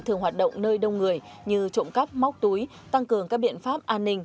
thường hoạt động nơi đông người như trộm cắp móc túi tăng cường các biện pháp an ninh